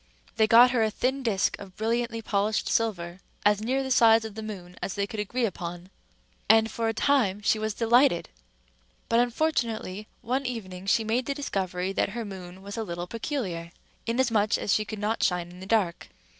They got her a thin disc of brilliantly polished silver, as near the size of the moon as they could agree upon; and, for a time she was delighted. But, unfortunately, one evening she made the discovery that her moon was a little peculiar, inasmuch as she could not shine in the dark.